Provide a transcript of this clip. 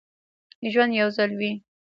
ژوند یو ځل وي